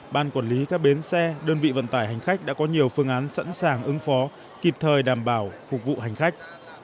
ban quản lý các bến xe đơn vị vận tải hành khách đã có nhiều phương án sẵn sàng ứng phó kịp thời đảm bảo phục vụ hành khách